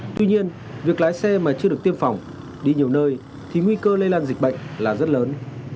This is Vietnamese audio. tuy nhiên việc lái xe mà chưa được tiêm phòng đi nhiều nơi thì nguy cơ lây lan dịch bệnh là rất lớn